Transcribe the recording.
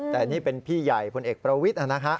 แต่นี่เป็นพี่ใหญ่พลเอกประวิทย์นะฮะ